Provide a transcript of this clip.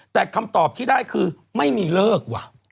แต่คำตอบที่ได้คือไม่มีเลิกว่ะ